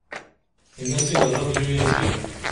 Tenna-tt-id rradyu-agi.